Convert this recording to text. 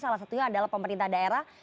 salah satunya adalah pemerintah daerah